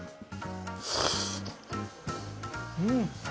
うん！